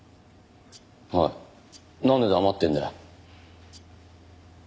おいなんで黙ってるんだよ？